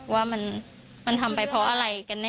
ว่ามันทำไปเพราะอะไรกันแน